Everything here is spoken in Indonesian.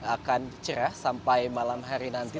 akan cerah sampai malam hari nanti